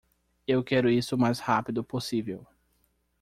Eu quero isso o mais rápido possível.